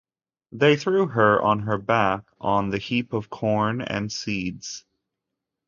They threw her on her back on the heap of corn and seeds.